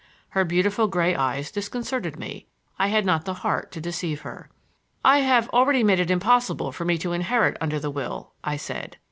Her beautiful gray eyes disconcerted me; I had not the heart to deceive her. "I have already made it impossible for me to inherit under the will," I said.